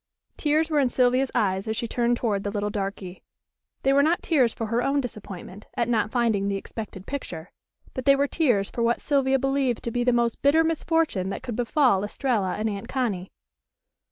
Tears were in Sylvia's eyes as she turned toward the little darky. They were not tears for her own disappointment at not finding the expected picture, but they were tears for what Sylvia believed to be the most bitter misfortune that could befall Estralla and Aunt Connie.